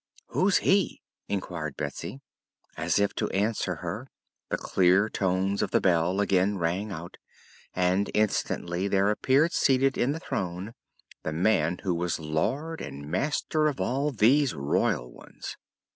"Who's he?" inquired Betsy. As if to answer her, the clear tones of the bell again rang out and instantly there appeared seated in the throne the man who was lord and master of all these royal ones.